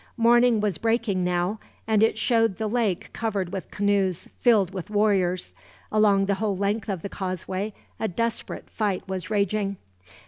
Morning was breaking now, and it showed the lake covered with canoes filled with warriors. Along the whole length of the causeway a desperate fight was raging.